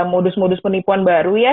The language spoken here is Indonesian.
modus modus penipuan baru ya